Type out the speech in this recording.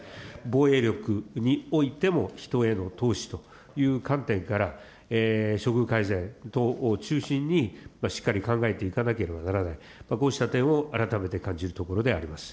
防衛力においても人への投資という観点から、処遇改善を中心にしっかり考えていかなければならない、こうした点を改めて感じるところであります。